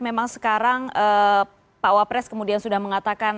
memang sekarang pak wapres kemudian sudah mengatakan